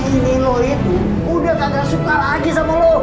ini lo itu udah kagak suka lagi sama lo